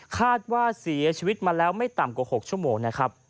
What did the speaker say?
คาดว่าเสียชีวิตมาแล้วไม่ต่ำกว่า๖ชั่วโมงนะครับ